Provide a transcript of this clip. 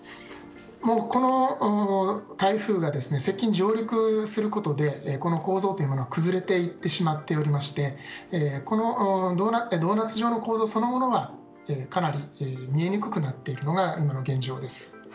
この台風が接近・上陸することでこの構造が崩れていってしまっておりましてこのドーナツ状の構造そのものはかなり見えにくくなっているのが現状です。